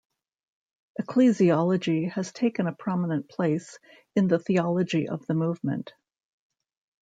Ecclesiology has taken a prominent place in the theology of the movement.